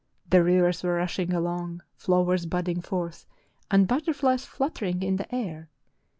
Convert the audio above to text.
The rivers were rushing along, flowers budding forth, and butterflies fluttering in the air.